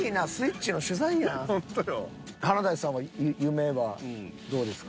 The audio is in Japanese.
華大さんは夢はどうですか？